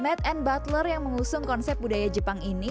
made and butler yang mengusung konsep budaya jepang ini